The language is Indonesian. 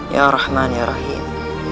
ya rahman ya rahim